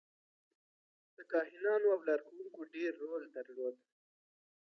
د کاهنانو او لارښوونکو ډېر رول درلود.